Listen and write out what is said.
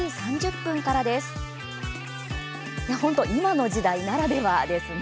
本当、今の時代ならではですね。